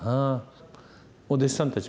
お弟子さんたち